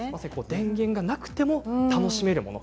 電源がなくても楽しめるもの